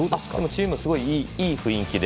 チームすごいいい雰囲気で。